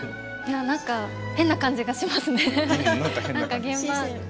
なんか変な感じがしますね。